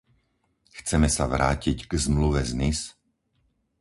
Chceme sa vrátiť k Zmluve z Nice?